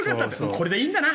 これでいいんだな。